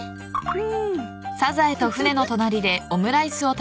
うん？